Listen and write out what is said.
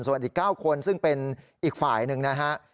ส่วนอีก๙คนซึ่งเป็นอีกฝ่ายหนึ่งนะฮะ